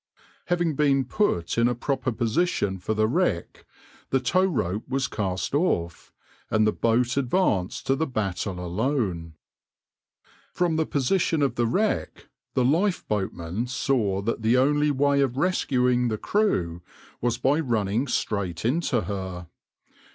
Having been put in a proper position for the wreck the tow rope was cast off, and the boat advanced to the battle alone. From the position of the wreck the lifeboatmen saw that the only way of rescuing the crew was by running straight into her.